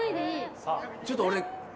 ちょっと俺。